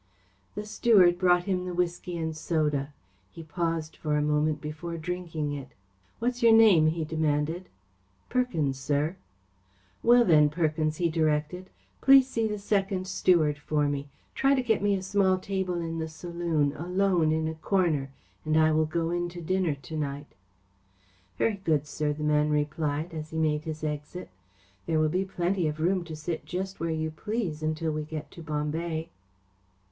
The steward brought him the whisky and soda. He paused for a moment before drinking it. "What's your name?" he demanded. "Perkins, sir." "Well then, Perkins," he directed, "please see the second steward for me. Try to get me a small table in the saloon, alone in a corner, and I will go in to dinner to night." "Very good, sir," the man replied, as he made his exit. "There will be plenty of room to sit just where you please until we get to Bombay."